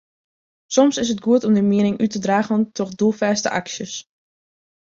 Soms is it goed om dyn miening út te dragen troch doelfêste aksjes.